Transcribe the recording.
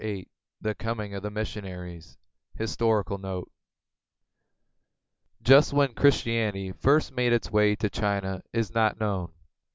^' VIII THE COMING OF THE MISSIONARIES HISTORICAL NOTE Just when Christianity first made its way to China is not known.